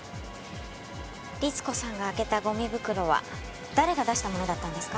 律子さんが開けたゴミ袋は誰が出したものだったんですか？